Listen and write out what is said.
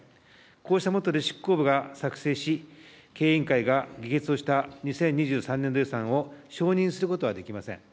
こうした下で執行部が作成し、経営委員会が議決をした２０２３年度予算を承認することはできません。